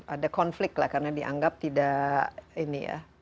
ada konflik lah karena dianggap tidak ini ya